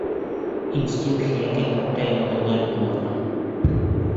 Инстинкт, йәки Күктә йондоҙҙар болара.....................................